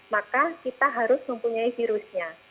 maka kita harus mempunyai virusnya